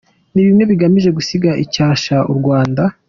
Ni bimwe bigamije gusiga icyasha u Rwanda.”